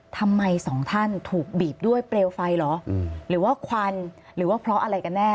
ทำไมสองท่านถูกบีบด้วยเปลวไฟเหรอหรือว่าควันหรือว่าเพราะอะไรกันแน่